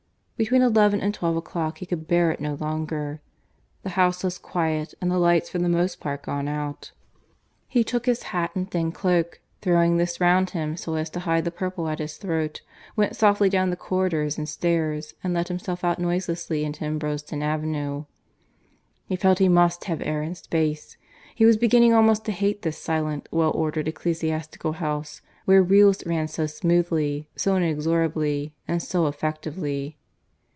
... Between eleven and twelve o'clock he could bear it no longer. The house was quiet, and the lights for the most part gone out. He took his hat and thin cloak, throwing this round him so as to hide the purple at his throat, went softly down the corridors and stairs, and let himself out noiselessly into Ambrosden Avenue. He felt he must have air and space: he was beginning almost to hate this silent, well ordered ecclesiastical house, where wheels ran so smoothly, so inexorably, and so effectively.